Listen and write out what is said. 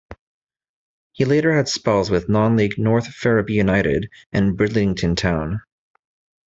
He later had spells with non league North Ferriby United and Bridlington Town.